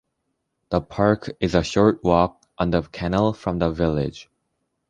The park is a short walk on the canal from the village.